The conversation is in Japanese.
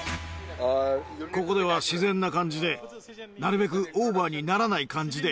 ここでは自然な感じでなるべくオーバーにならない感じでやってほしい。